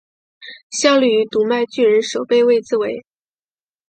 效力于读卖巨人守备位置为。